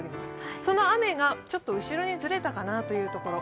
その雨がちょっと後ろにずれたかなというところ。